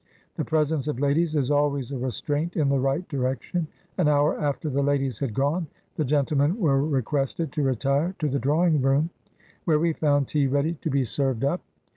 The presence of ladies is always a restraint in the right direction. An hour after the ladies had gone, the gentlemen were requested to retire to the drawing room, where we found tea ready to be served up.